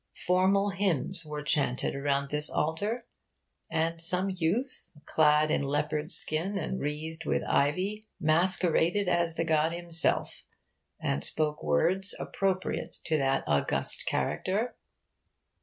Formal hymns were chanted around this altar. And some youth, clad in leopard's skin and wreathed with ivy, masqueraded as the god himself, and spoke words appropriate to that august character.